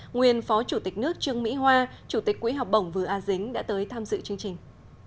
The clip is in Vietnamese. nguyên phó chủ tịch nước trương mỹ hoa chủ tịch quỹ học bổng vừa a dính đã tới tham dự chương trình